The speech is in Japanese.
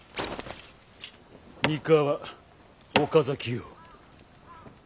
三河岡崎よ。